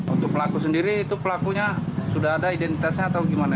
untuk pelaku sendiri pelakunya sudah ada identitasnya atau bagaimana